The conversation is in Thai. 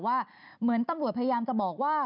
ว่าเหมือนตำรวจพยายามจะบอกว่า